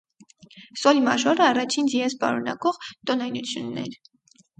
Սոլ մաժորը առաջին դիեզ պարունակող տոնայնությունն է։